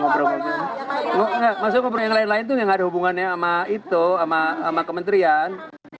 maksudnya ngobrol yang lain lain itu enggak ada hubungannya sama itu sama kementerian